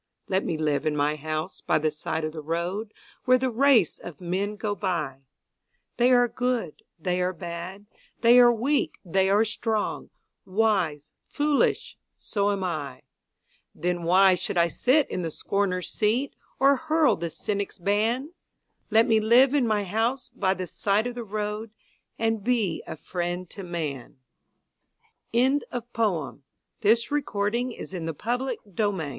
Let me live in my house by the side of the road, Where the race of men go by They are good, they are bad, they are weak, they are strong, Wise, foolish so am I. Then why should I sit in the scorner's seat, Or hurl the cynic's ban? Let me live in my house by the side of the road And be a friend to man. Sam Walter Foss Toil's Sweet Content THE Man of Question